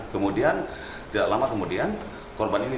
kemudian tidak lama kemudian korban ini